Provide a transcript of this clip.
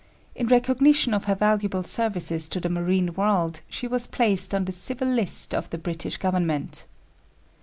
In recognition of her valuable services to the marine world she was placed on the civil list of the British government.